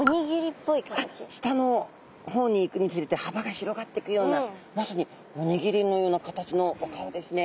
下の方にいくにつれてはばが広がってくようなまさにおにぎりのような形のお顔ですね。